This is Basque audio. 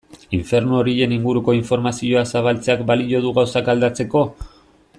Infernu horien inguruko informazioa zabaltzeak balio du gauzak aldatzeko?